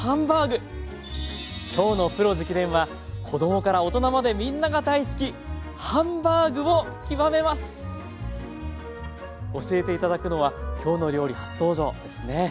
今日の「プロ直伝！」は子供から大人までみんなが大好き教えて頂くのは「きょうの料理」初登場ですね。